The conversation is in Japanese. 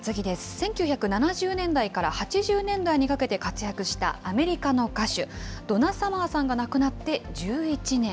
１９７０年代から８０年代にかけて活躍したアメリカの歌手、ドナ・サマーさんが亡くなって１１年。